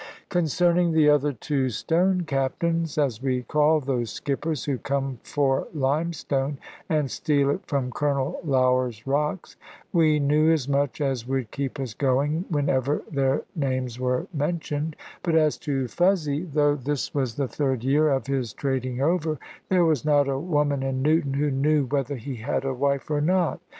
Concerning the other two "stone captains" (as we call those skippers who come for limestone, and steal it from Colonel Lougher's rocks), we knew as much as would keep us going whenever their names were mentioned; but as to Fuzzy, though this was the third year of his trading over, there was not a woman in Newton who knew whether he had a wife or not!